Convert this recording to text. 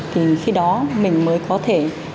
thì khi đó mình mới có thể